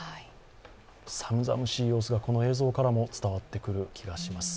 寒々しい様子が映像からも伝わってくる気がします。